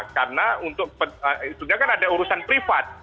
karena untuk itu kan ada urusan privat